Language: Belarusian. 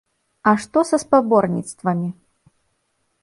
А што са спаборніцтвамі?